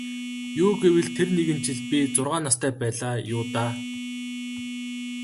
Юу гэвэл тэр нэгэн жил би зургаан настай байлаа юу даа.